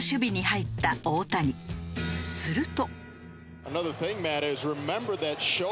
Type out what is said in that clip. すると。